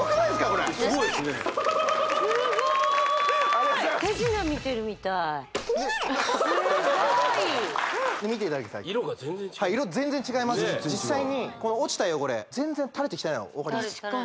これすごいっすねありがとうございますすごい見ていただきたいはい色全然違いますし実際にこの落ちた汚れ全然たれてきてないの分かります？